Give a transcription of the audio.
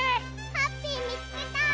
ハッピーみつけた！